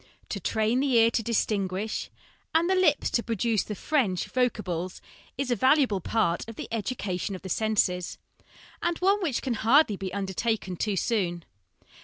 To train the ear to distinguish and the lips to produce the French voc ables is a valuable part of the education of the senses, and one which can hardly be undertaken too soon.